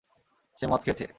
সে মদ খেয়েছে।